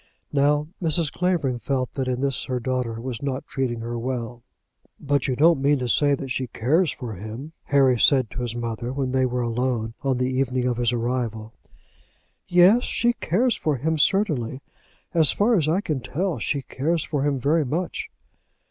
Now, Mrs. Clavering felt that in this her daughter was not treating her well. "But you don't mean to say that she cares for him?" Harry said to his mother, when they were alone on the evening of his arrival. "Yes, she cares for him, certainly. As far as I can tell, she cares for him very much."